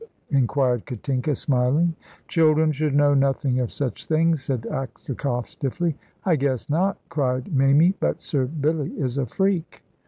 inquired Katinka, smiling. "Children should know nothing of such things," said Aksakoff, stiffly. "I guess not," cried Mamie; "but Sir Billy is a freak."